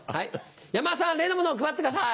山田さん例のものを配ってください。